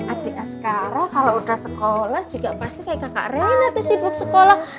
adik sekarang kalau udah sekolah juga pasti kayak kakak rela tuh sibuk sekolah